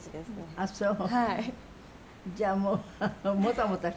ああそう。